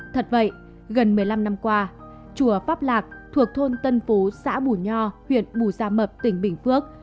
thật vậy gần một mươi năm năm qua chùa pháp lạc thuộc thôn tân phú xã bù nho huyện bù gia mập tỉnh bình phước